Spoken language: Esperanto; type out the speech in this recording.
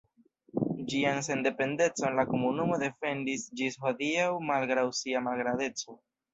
Ĝian sendependecon la komunumo defendis ĝis hodiaŭ malgraŭ sia malgrandeco.